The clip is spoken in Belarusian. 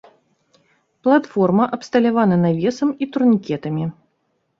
Платформа абсталявана навесам і турнікетамі.